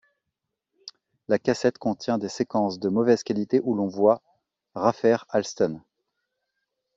La cassette contient des séquences de mauvaises qualités où l'on voit Rafer Alston.